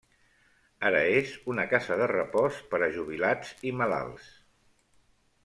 Ara és una casa de repòs per a jubilats i malalts.